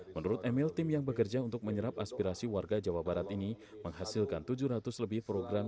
menurut emil tim yang bekerja untuk menyerap aspirasi warga jawa barat ini menghasilkan tujuh ratus lebih program